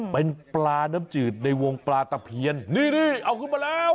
เป็นปลาน้ำจืดในวงปลาตะเพียนนี่เอาขึ้นมาแล้ว